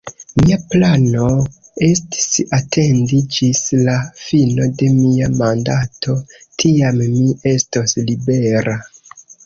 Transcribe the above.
Mia plano estis atendi ĝis la fino de mia mandato, tiam mi estos libera.